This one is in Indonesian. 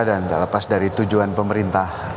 dan tak lepas dari tujuan pemerintah